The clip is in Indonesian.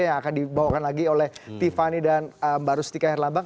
yang akan dibawakan lagi oleh tiffany dan mbak rustika herlambang